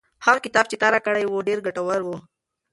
هغه کتاب چې تا راکړی و ډېر ګټور و.